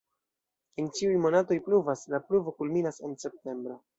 En ĉiuj monatoj pluvas, la pluvo kulminas en septembro.